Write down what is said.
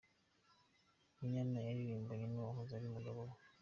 Munyana yaririmbanye n’uwahoze ari umugabo we